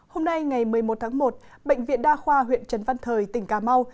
hôm nay ngày một mươi một tháng một bệnh viện đa khoa huyện trần văn thời tỉnh cà mau